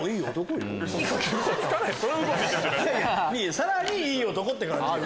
さらにいい男って感じよ。